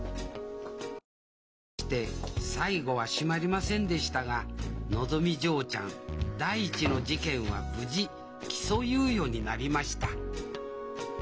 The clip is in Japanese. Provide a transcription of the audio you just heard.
かくして最後は締まりませんでしたがのぞみ嬢ちゃん第１の事件は無事起訴猶予になりました